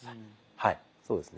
はいそうですね。